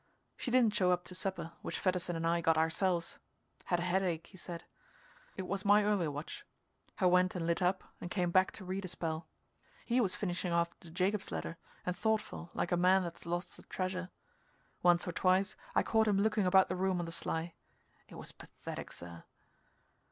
She didn't show up to supper, which Fedderson and I got ourselves had a headache, be said. It was my early watch. I went and lit up and came back to read a spell. He was finishing off the Jacob's ladder, and thoughtful, like a man that's lost a treasure. Once or twice I caught him looking about the room on the sly. It was pathetic, sir.